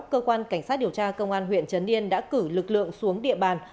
cơ quan cảnh sát điều tra công an huyện trấn yên đã cử lực lượng xuống địa bàn